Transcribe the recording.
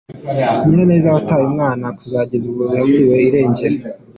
Nyiraneza wataye umwana kugeza ubu yaburiwe irengero.